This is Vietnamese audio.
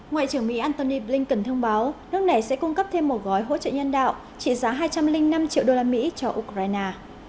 ngoại trưởng mỹ antony blinken thông báo nước này sẽ cung cấp thêm một gói hỗ trợ nhân đạo trị giá hai trăm linh năm triệu đô la mỹ cho ukraine